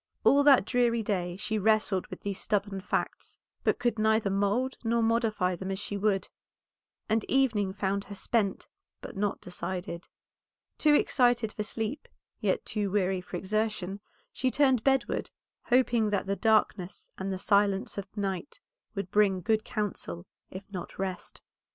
All that dreary day she wrestled with these stubborn facts, but could neither mould nor modify them as she would, and evening found her spent, but not decided. Too excited for sleep, yet too weary for exertion, she turned bedward, hoping that the darkness and the silence of night would bring good counsel, if not rest.